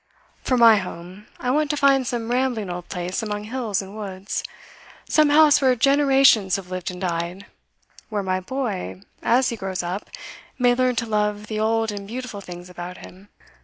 For my home, I want to find some rambling old place among hills and woods, some house where generations have lived and died, where my boy, as he grows up, may learn to love the old and beautiful things about him.